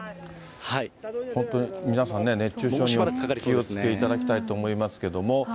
本当に皆さんね、熱中症にお気をつけいただきたいと思いますけど。